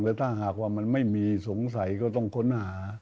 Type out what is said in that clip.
แล้วถ้าหากว่ามันไม่มีสงสัยก็ต้องค้นหา